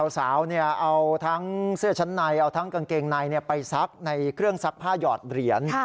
สาวเอาทั้งเสื้อชั้นในเอาทั้งกางเกงในไปซักในเครื่องซักผ้าหยอดเหรียญ